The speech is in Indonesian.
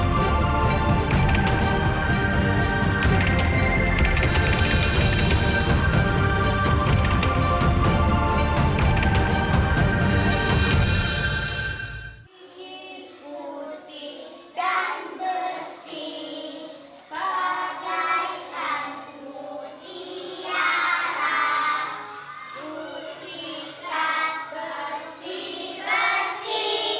dua kali sehari